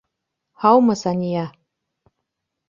Һаумы, Сания.